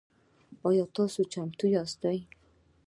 آیا تاسو چمتو یاست؟